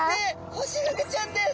ホシフグちゃんです！